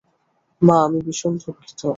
মা, আমি ভীষণ দুঃখিত।